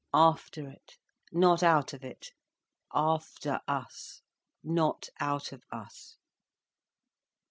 "After it, not out of it. After us, not out of us."